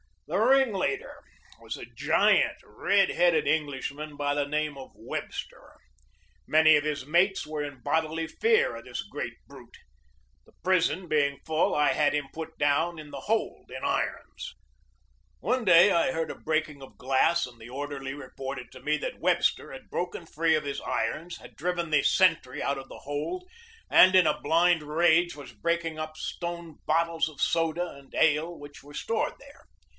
The ringleader was a giant, red headed Englishman by the name of Webster. Many of his mates were in bodily fear of this great brute. The prison being full, I had him put down in the hold in irons. One day I heard a breaking of glass and the or derly reported to me that Webster had broken free of his irons, had driven the sentry out of the hold, and in a blind rage was breaking up stone bottles of soda and ale which were stored there.